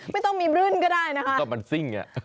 ไม่ต้องมีขวางก็ได้